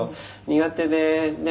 「苦手で」